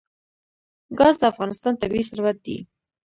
ګاز د افغانستان طبعي ثروت دی.